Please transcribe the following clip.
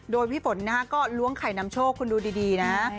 โดยพี่ฝนนะฮะก็ล้วงไข่นำโชคคุณดูดีนะ